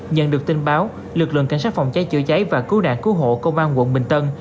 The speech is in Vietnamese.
nhận được tin báo lực lượng cảnh sát phòng cháy chữa cháy và cứu nạn cứu hộ công an quận bình tân